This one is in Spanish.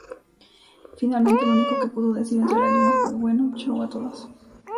Finalmente, lo único que pudo decir entre lágrimas fue "bueno, chau a todos".